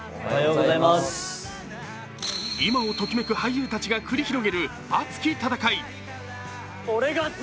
今をときめく俳優たちが繰り広げる熱き戦い。